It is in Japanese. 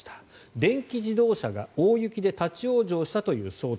電気自動車が大雪で立ち往生したという想定。